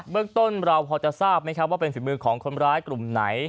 เรื่องต้นเราพอจะทราบไหมครับว่าเป็นฝีมือของคนร้ายกลุ่มไหน